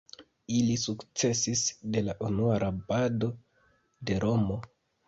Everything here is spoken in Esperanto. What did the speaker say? Ili sukcesis je la unua rabado de Romo.